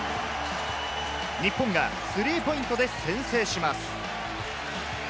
日本がスリーポイントで先制します。